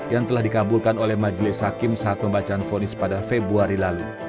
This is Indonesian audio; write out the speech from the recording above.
yang telah dikabulkan oleh majelis hakim saat pembacaan fonis pada februari lalu